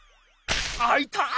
あいたっ！